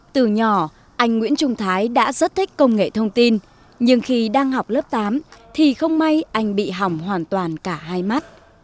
từ nhỏ anh nguyễn trung thái đã rất thích công nghệ thông tin nhưng khi đang học lớp tám thì không may anh bị hỏng hoàn toàn cả hai mắt